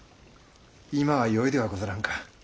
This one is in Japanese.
今はよいではござらんか。